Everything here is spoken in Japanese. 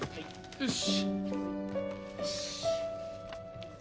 よし。